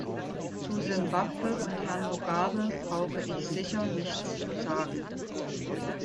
Zu Simbabwe und Herrn Mugabe brauche ich sicher nichts zu sagen.